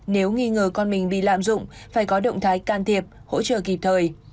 nếu nghi ngờ con mình bị lạm dụng phải có động thái can thiệp hỗ trợ kịp thời